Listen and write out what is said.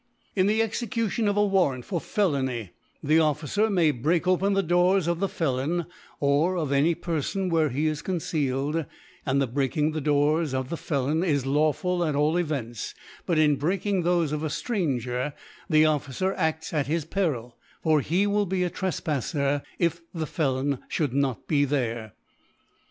In the Execution of a Warrant for Fe lony, the Officer may break open the Doors of the Felon, or of any Perlon where he is concealed; and the breaking the Doors of the Felon is lawful at all Events, but in breaking thofe of a Stranger the Officer t&% at his Peril : for he will be aTrefpafTer if the Felon (hould not be there ♦.